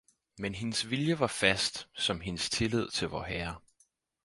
Men hendes vilje var fast, som hendes tillid til vorherre